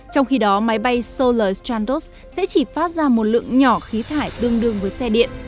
trong khi đó máy bay solar strandros sẽ chỉ phát ra một lượng nhỏ khí thải tương đương với xe điện